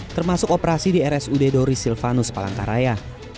termasuk operasi di rs udedori silvanus palangkaraya